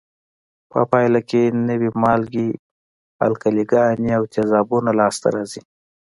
په پایله کې نوې مالګې، القلي ګانې او تیزابونه لاس ته راځي.